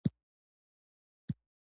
په رډو سترگو يې راوکتل.